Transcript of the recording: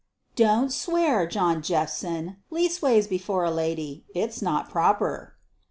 "Don't swear, John Jephson leastways before a lady. It's not proper."